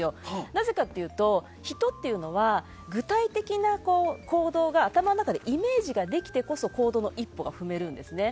なぜかというと人っていうのは具体的な行動が頭の中でイメージができてこそ行動の一歩が踏めるんですね。